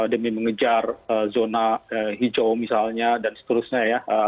demi mengejar zona hijau misalnya dan seterusnya ya